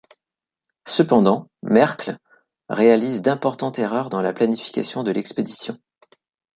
Cependant, Merkl réalise d'importantes erreurs dans la planification de l'expédition.